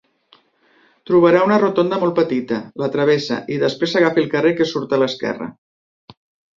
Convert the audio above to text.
Trobarà una rotonda molt petita, la travessa, i després agafi el carrer que surt a l'esquerra.